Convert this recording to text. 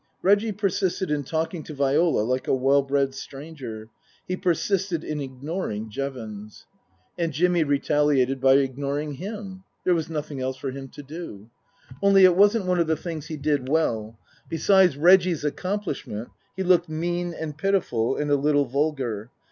Reggie persisted in talking to Viola like a well bred stranger. He persisted in ignoring Jevons. Book II : Her Book 179 And Jimmy retaliated by ignoring him. There was nothing else for him to do. Only it wasn't one of the things he did well. Beside Reggie's accomplishment he looked mean and pitiful and a little vulgar.